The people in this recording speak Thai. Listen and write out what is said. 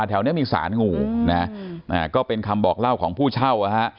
แถวนี้มีสารงูนะก็เป็นคำบอกเล่าของผู้เช่าอ่ะฮะ